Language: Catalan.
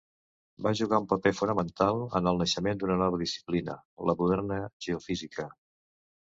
Va jugar un paper fonamental en el naixement d'una nova disciplina: la moderna geofísica.